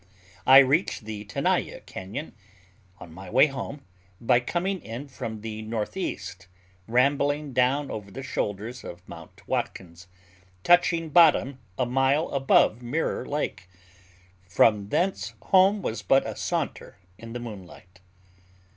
I reached the Tenaya Cañon, on my way home, by coming in from the northeast, rambling down over the shoulders of Mount Watkins, touching bottom a mile above Mirror Lake. From thence home was but a saunter in the moonlight.